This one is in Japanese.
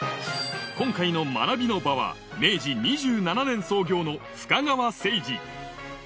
今回の学びの場は明治２７年創業の深川製磁。